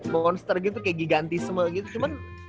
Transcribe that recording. monster gitu kayak gigantisme gitu cuman